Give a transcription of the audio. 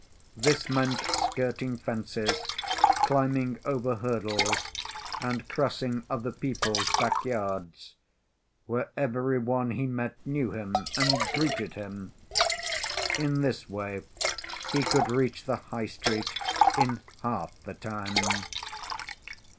This meant skirting fences, climbing over hurdles, and crossing other people's back‐yards, where every one he met knew him and greeted him. In this way he could reach the High Street in half the time.